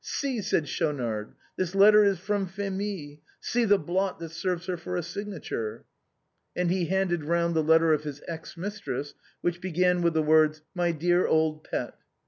See," said Schaunard, " this letter is from Phémie ; see the blot that serves her for a signature." And he handed round the letter of his ex mistress, which began with the words " My dear old pet."